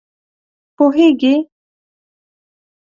پوهېږې!